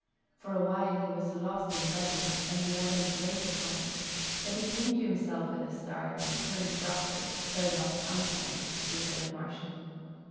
For a while he was lost in revery and the others waited for him, but he came to himself with a start and turned brusquely, though not unkindly, to Philip Marsham.